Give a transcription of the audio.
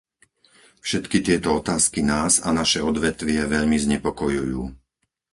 Všetky tieto otázky nás a naše odvetvie veľmi znepokojujú.